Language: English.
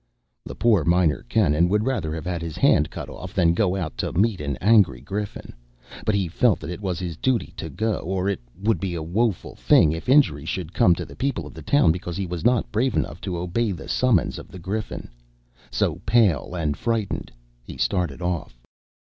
The poor Minor Canon would rather have had his hand cut off than go out to meet an angry griffin; but he felt that it was his duty to go, or it would be a woeful thing if injury should come to the people of the town because he was not brave enough to obey the summons of the Griffin. So, pale and frightened, he started off.